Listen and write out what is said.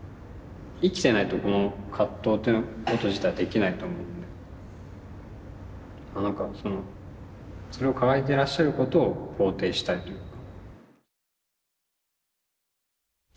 生きてないとこの葛藤ってこと自体できないと思うのでなんかそのそれを抱えてらっしゃることを肯定したいというか。